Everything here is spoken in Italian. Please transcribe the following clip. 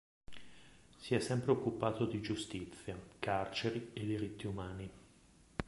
Si è sempre occupato di giustizia, carceri e diritti umani.